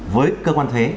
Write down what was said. với cơ quan thuế